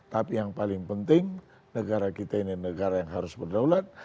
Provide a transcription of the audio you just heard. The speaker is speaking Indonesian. tapi yang paling penting negara kita ini negara yang harus berdaulat